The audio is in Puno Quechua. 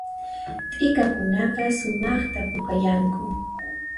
T'ikakunaqa sumaqta pukayanku